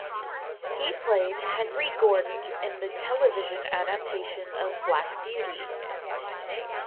He played Henry Gordon in the television adaptation of "Black Beauty".